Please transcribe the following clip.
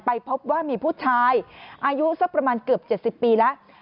พบว่ามีผู้ชายอายุสักประมาณเกือบ๗๐ปีแล้ว